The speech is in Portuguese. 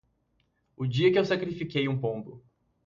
O dia que eu sacrifiquei um pombo